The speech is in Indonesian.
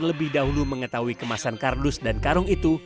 lebih dahulu mengetahui kemasan kardus dan karung itu